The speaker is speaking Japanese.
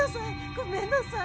ごめんなさい。